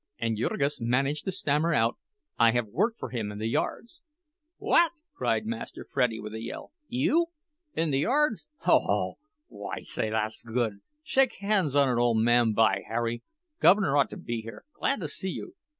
And Jurgis managed to stammer out: "I have worked for him in the yards." "What!" cried Master Freddie, with a yell. "You! In the yards? Ho, ho! Why, say, thass good! Shake hands on it, ole man—by Harry! Guv'ner ought to be here—glad to see you.